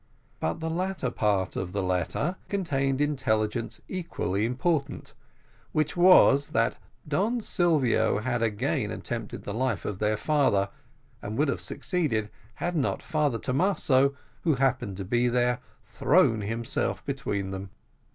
But the latter part of the letter contained intelligence equally important, which was, that Don Silvio had again attempted the life of their father, and would have succeeded, had not Father Thomas, who happened to be there, thrown himself between them.